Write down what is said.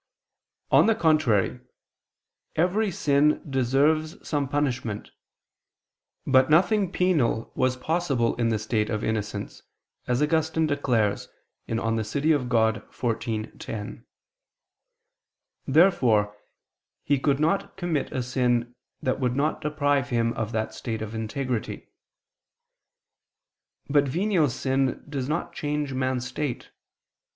On the contrary, Every sin deserves some punishment. But nothing penal was possible in the state of innocence, as Augustine declares (De Civ. Dei xiv, 10). Therefore he could not commit a sin that would not deprive him of that state of integrity. But venial sin does not change man's state.